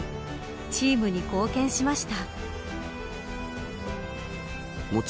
チームに貢献しました。